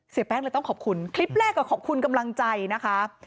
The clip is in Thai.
แป้งเลยต้องขอบคุณคลิปแรกก็ขอบคุณกำลังใจนะคะ